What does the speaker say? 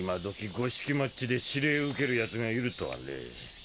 五色マッチで指令受けるヤツがいるとはね